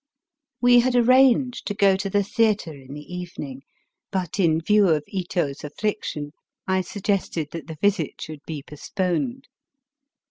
We had arranged to go to the theatre in the evening, but in view of Ito's affliction, I suggested that the visit should be postponed.